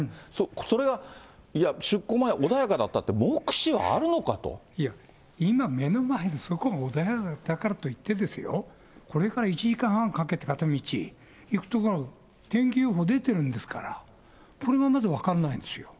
それが、いや、出航前、穏やかだって、いや、今目の前で、そこが穏やかだからといってですよ、これから１時間半かけて、片道、行く所が天気予報出てるんですから、これがまず分からないんですよ。